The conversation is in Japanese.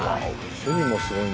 守備もすごいんだ。